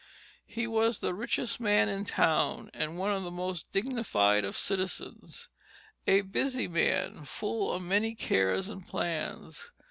He was the richest man in town, and one of the most dignified of citizens, a busy man full of many cares and plans.